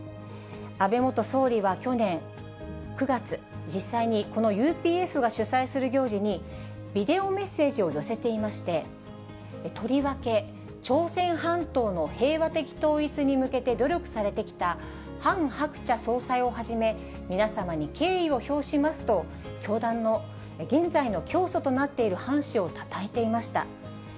安倍元総理は去年９月、実際にこのＵＰＦが主催する行事に、ビデオメッセージを寄せていまして、とりわけ朝鮮半島の平和的統一に向けて努力されてきたハン・ハクチャ総裁をはじめ、皆様に敬意を表しますと、教団の現在の教祖となっているハン氏をたたえていました。